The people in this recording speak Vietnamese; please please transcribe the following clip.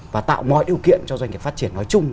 và tạo mọi điều kiện cho doanh nghiệp phát triển nói chung